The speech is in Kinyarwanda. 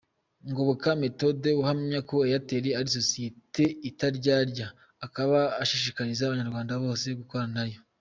Ngoboka Methode ahamya ko Airtel ari sosiyeti itaryarya, akaba ashishikariza abanyarwanda bose gukorana nayo.